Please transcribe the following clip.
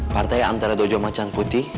partai antara dojo macantara